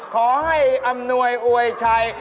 ขอให้อำนวยอวยชัย